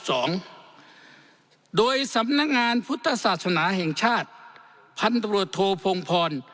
พันธุรโทษภงพรสำนักงานพุทธศาสนาแห่งชาติพันธุรโทษภงพร